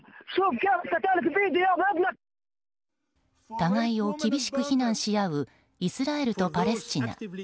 互いを厳しく非難し合うイスラエルとパレスチナ。